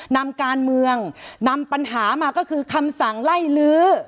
นำการเมืองนำปัญหามาก็คือคำสั่งไล่ลื้อ